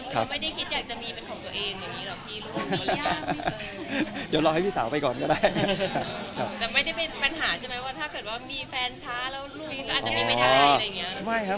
เดี๋ยวรอให้พี่สาวไปก่อนก็ได้